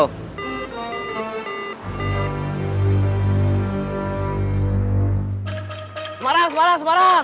semarang semarang semarang